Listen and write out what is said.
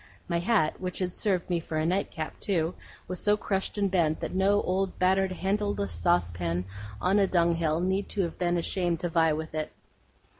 My hat (which had served me for a night cap, too) was so crushed and bent, that no old battered handleless saucepan on a dunghill need have been ashamed to vie with it.